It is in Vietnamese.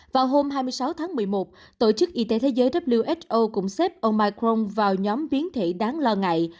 vào hôm hai mươi sáu tháng một mươi một tổ chức y tế thế giới who cũng xếp ông micron vào nhóm biến thể đáng lo ngại